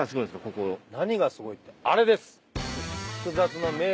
何がすごいってあれです。